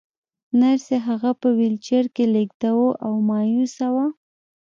نرسې هغه په ويلچر کې لېږداوه او مايوسه وه.